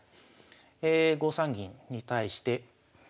５三銀に対して。